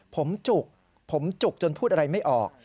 ผมจุกผมจุกจนพูดอะไรไม่ออก